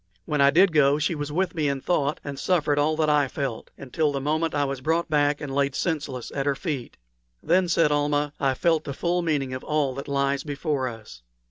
When I did go she was with me in thought and suffered all that I felt, until the moment when I was brought back and laid senseless at her feet. "Then," said Almah, "I felt the full meaning of all that lies before us."